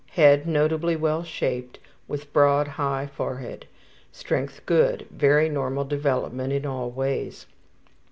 Head notably well shaped with broad high forehead. Strength good. Very normal development in all ways.